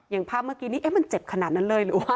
อย่างภาพเมื่อกี้มันเจ็บขนาดนั้นเลย